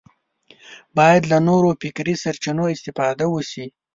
باید له نورو فکري سرچینو استفاده وشي